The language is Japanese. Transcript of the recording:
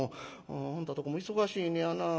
あんたとこも忙しいのやなあ。